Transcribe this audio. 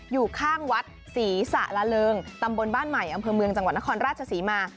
อยู่ข้างวัดศรีสระเริงตำบลบ้านใหม่อำเภอเมืองจังหวัดนครราชศรีมา